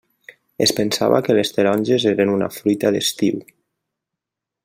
Es pensava que les taronges eren una fruita d'estiu.